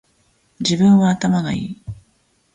自分は頭がいい